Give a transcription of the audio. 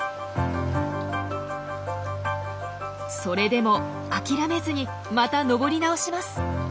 それでも諦めずにまた登り直します。